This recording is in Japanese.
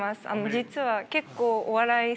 実は結構お笑い好きで。